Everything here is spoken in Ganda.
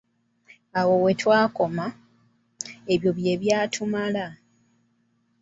Awo we byakoma, ebyo bye byatumala.